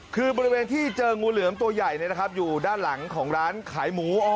คือบริเวณที่เจองูเหลือมตัวใหญ่อยู่ด้านหลังของร้านขายหมู